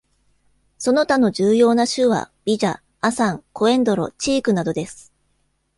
その他の重要な種は、ビジャ、アサン、コエンドロ、チークなどです。